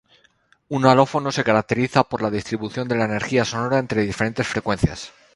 Un alófono se caracteriza por la distribución de la energía sonora entre diferentes frecuencias.